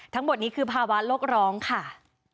ทั้งหมดนี้คือภาวะโลกร้องค่ะ